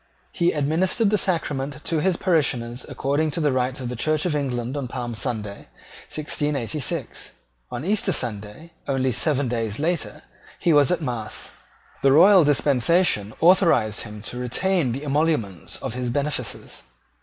He administered the sacrament to his parishioners according to the rites of the Church of England on Palm Sunday 1686. On Easter Sunday, only seven days later, he was at mass. The royal dispensation authorised him to retain the emoluments of his benefices.